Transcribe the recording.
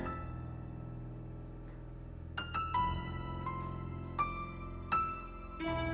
nih ini udah gampang